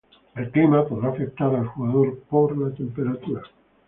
El clima podrá afectar al jugador por la temperatura.